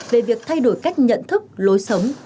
về việc thay đổi cách nhận thức lối sống